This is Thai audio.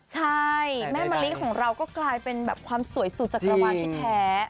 ใช่แม่มะลิของเราก็กลายเป็นแบบความสวยสุดจักรวาลที่แท้